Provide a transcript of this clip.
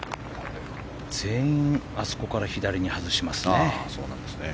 全員あそこから左に外しますね。